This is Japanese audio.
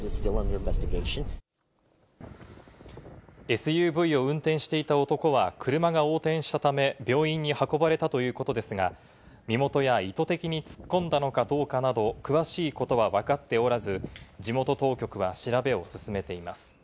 ＳＵＶを運転していた男は車が横転したため病院に運ばれたということですが、身元や意図的に突っ込んだのかどうかなど、詳しいことはわかっておらず、地元当局は調べを進めています。